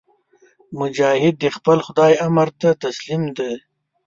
مجاهد د خپل خدای امر ته تسلیم دی.